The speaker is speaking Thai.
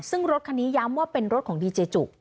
ซึ่งรถคันนี้ย้ำว่าเป็นรถของดีเจจุ